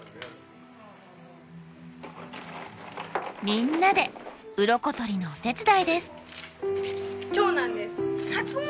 みんなでウロコ取りのお手伝いです。